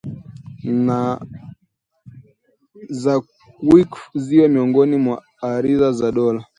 za waqf ziwe miongoni mwa ardhi za dola